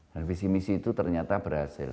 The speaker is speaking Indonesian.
dan visi misi itu ternyata berhasil